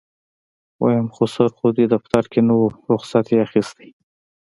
ويم خسر خو دې دفتر کې نه و رخصت يې اخېستی.